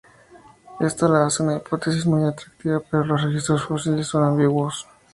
Esto la hace una hipótesis muy atractiva, pero los registros fósiles son ambiguos.